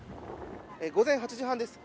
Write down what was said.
午前８時半です